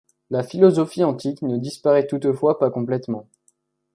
La philosophie antique ne disparaît toutefois pas complètement.